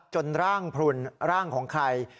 จนร่างพลุนร่างของใคร